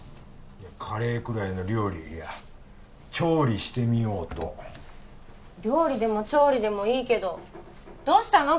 カレーくらいの料理いや調理してみようと料理でも調理でもいいけどどうしたの？